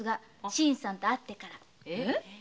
新さんと会ってから。